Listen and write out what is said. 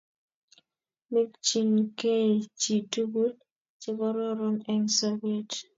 Mikchinkeiy chi tugul chekororon eng' sobet.